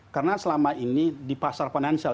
karena selama ini di pasar penansial